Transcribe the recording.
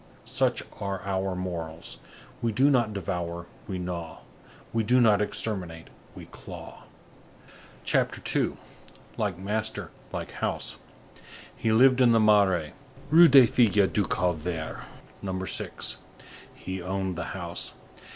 Such are our morals. We do not devour, we gnaw; we do not exterminate, we claw." CHAPTER II—LIKE MASTER, LIKE HOUSE He lived in the Marais, Rue des Filles du Calvaire, No. 6. He owned the house.